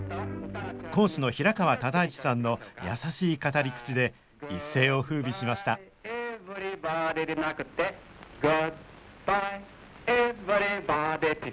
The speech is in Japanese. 講師の平川唯一さんの優しい語り口で一世をふうびしました「グッバイエヴリバディ」